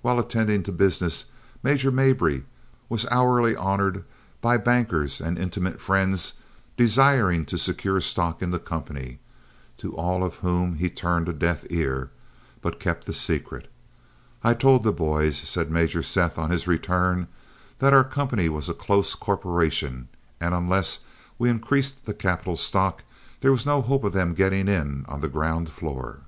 While attending to business Major Mabry was hourly honored by bankers and intimate friends desiring to secure stock in the company, to all of whom he turned a deaf ear, but kept the secret. "I told the boys," said Major Seth on his return, "that our company was a close corporation, and unless we increased the capital stock, there was no hope of them getting in on the ground floor."